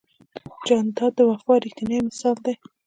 جانداد د وفا ریښتینی مثال دی.